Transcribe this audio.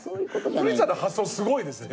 古市さんの発想すごいですね。